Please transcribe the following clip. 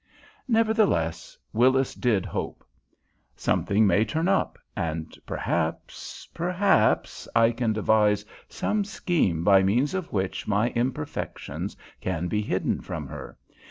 Nevertheless, Willis did hope. "Something may turn up, and perhaps perhaps I can devise some scheme by means of which my imperfections can be hidden from her.